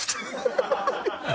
ハハハハ！